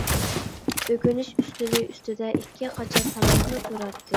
ئۆگىنىش ئۈستىلى ئۈستىدە ئىككى قاچا تاماقمۇ تۇراتتى.